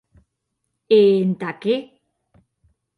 E entà qué?